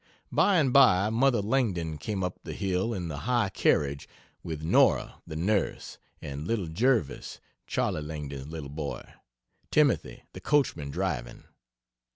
By and by mother Langdon came up the hill in the "high carriage" with Nora the nurse and little Jervis (Charley Langdon's little boy) Timothy the coachman driving.